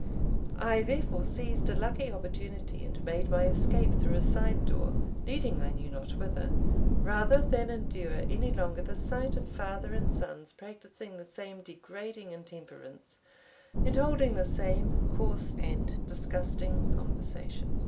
I therefore seized a lucky opportunity, and made my escape through a side door, leading I knew not whither, rather than endure any longer the sight of father and sons practising the same degrading intemperance, and holding the same coarse and disgusting conversation.